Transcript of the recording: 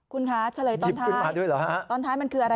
คุณคะชะเลต้อนท้ายตอนท้ายมันคืออะไร